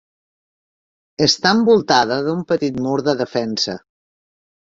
Està envoltada d'un petit mur de defensa.